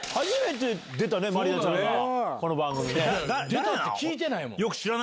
出たって聞いてないもん。